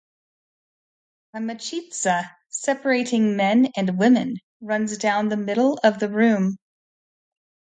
A mechitza separating men and women runs down the middle of the room.